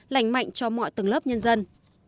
lành mạnh cho mọi tầng lớp nhân dân